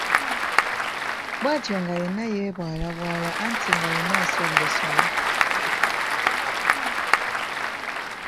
Bwatyo nga yenna yeebwalabwala anti nga yenna aswadde swadde.